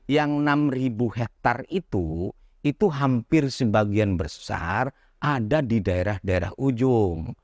yang enam ribu hektare itu itu hampir sebagian besar ada di daerah daerah ujung